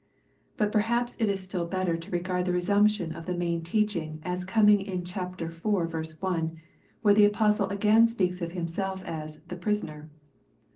But perhaps it is still better to regard the resumption of the main teaching as coming in ch. iv. i, where the Apostle again speaks of himself as " the prisoner."